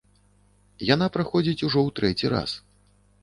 Яна праходзіць ужо ў трэці раз.